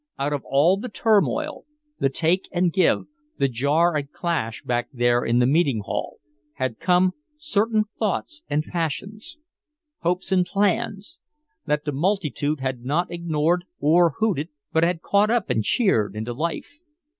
Out of all the turmoil, the take and give, the jar and clash back there in the meeting hall, had come certain thoughts and passions, hopes and plans, that the multitude had not ignored or hooted but had caught up and cheered into life.